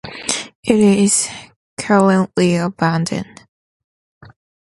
It is currently abandoned.